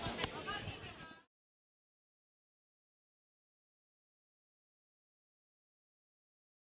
คุณแม่น้องให้โอกาสดาราคนในผมไปเจอคุณแม่น้องให้โอกาสดาราคนในผมไปเจอ